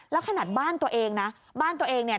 แล้วขนาดบ้านตัวเองนะบ้านตัวเองเนี่ย